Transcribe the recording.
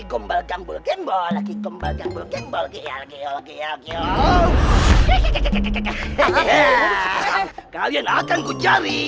kembali kembal kembal kembal tiga puluh vedio dyoyoyo jejeje hearings kalian makan ku jari